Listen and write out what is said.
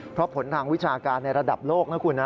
เพราะผลทางวิชาการในระดับโลกนะคุณนะ